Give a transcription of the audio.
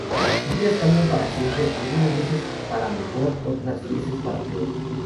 Sus vidas cambian para siempre, algunas veces para mejor, otras veces para peor.